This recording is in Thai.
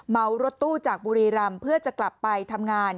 เมารถตู้จากบุรีรำเพื่อจะกลับไปทำงาน